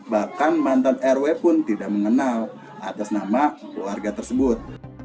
bahkan mantan rw pun tidak mengenal atas nama keluarga tersebut